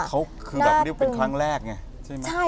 เขาคือแบบเรียกว่าเป็นครั้งแรกไงใช่ไหม